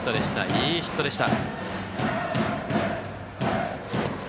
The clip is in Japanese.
いいヒットでした。